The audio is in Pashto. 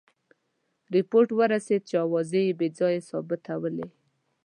رپوټ ورسېد چې آوازې بې ځایه ثابتولې.